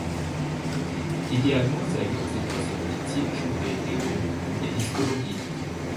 Die Diagnose ergibt sich aus der medizinischen Bildgebung und der Histologie.